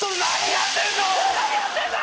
何やってんだ！